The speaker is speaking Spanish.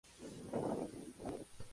Nunca había visto este tipo de trauma.